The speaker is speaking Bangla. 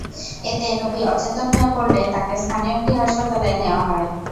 এতে নবী অচেতন হয়ে পড়লে তাঁকে স্থানীয় একটি হাসপাতালে নেওয়া হয়।